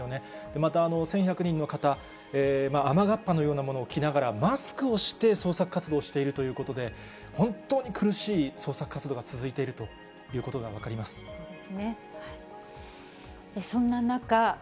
また１１００人の方、雨がっぱのようなものを続きながら、マスクをして、捜索活動をしているということで、本当に苦しい捜索活動が続いているということが分かります。